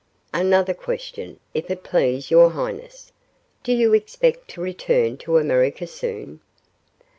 "Another question, if it please your highness. Do you expect to return to America soon?"